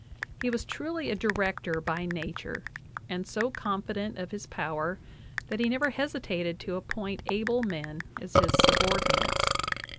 He was truly a director by nature, and so confident of his power that he never hesitated to appoint able men as his subordinates.